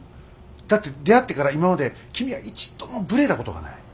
だって出会ってから今まで君は一度もブレたことがない。